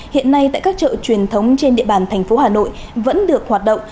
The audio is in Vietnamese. hiện nay tại các chợ truyền thống trên địa bàn thành phố hà nội vẫn được hoạt động